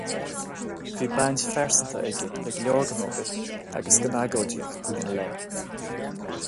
Bhí baint phearsanta aige le go leor den obair agus den agóidíocht ina leith.